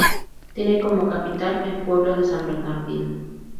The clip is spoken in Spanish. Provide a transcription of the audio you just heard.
Tiene como capital al pueblo de "San Bernardino".